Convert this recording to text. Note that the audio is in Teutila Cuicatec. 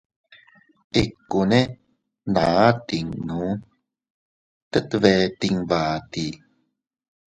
Ikkune naa tinnu, tet bee tinbatii.